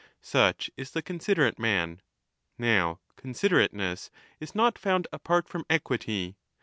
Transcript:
Such is the considerate man. Now considerateness is not found apart from equity.